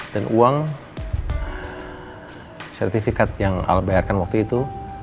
uang sertifikat yang al bayarkan waktu itu